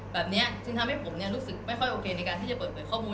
แบบนี้จึงทำให้ผมรู้สึกไม่ค่อยโอเคในการที่จะเปิดเผยข้อมูล